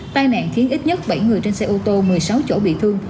tai nạn khiến ít nhất bảy người trên xe ô tô một mươi sáu chỗ bị thương